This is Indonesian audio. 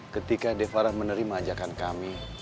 ketika devara menerima ajakan kami